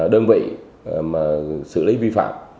đơn vị xử lý vi phạm